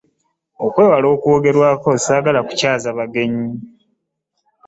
Okwewala okwogerwako ssaagala kukyaza bagenyi.